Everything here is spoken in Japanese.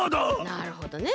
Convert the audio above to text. なるほどね。